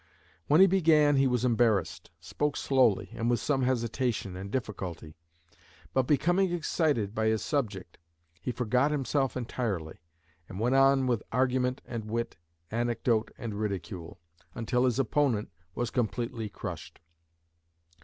When he began he was embarrassed, spoke slowly and with some hesitation and difficulty. But becoming excited by his subject, he forgot himself entirely, and went on with argument and wit, anecdote and ridicule, until his opponent was completely crushed.